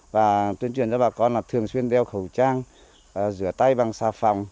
và tuyên truyền cho bà con là thường xuyên đeo khẩu trang rửa tay bằng xà phòng